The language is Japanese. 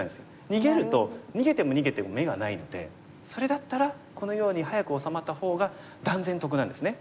逃げると逃げても逃げても眼がないのでそれだったらこのように早く治まった方が断然得なんですね。